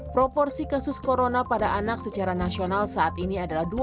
proporsi kasus corona pada anak secara nasional saat ini adalah dua belas lima persen